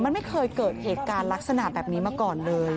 มันไม่เคยเกิดเหตุการณ์ลักษณะแบบนี้มาก่อนเลย